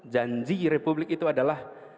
janji republik itu adalah